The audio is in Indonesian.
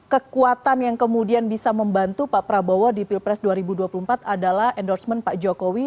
kekuatan yang kemudian bisa membantu pak prabowo di pilpres dua ribu dua puluh empat adalah endorsement pak jokowi